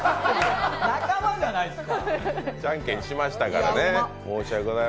仲間じゃないですか！